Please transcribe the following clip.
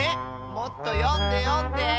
もっとよんでよんで。